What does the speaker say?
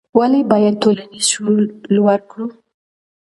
ولې باید ټولنیز شعور لوړ کړو؟